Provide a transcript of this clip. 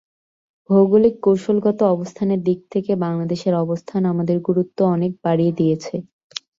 ভৌগোলিক কৌশলগত অবস্থানের দিক থেকে বাংলাদেশের অবস্থান আমাদের গুরুত্ব অনেক বাড়িয়ে দিয়েছে।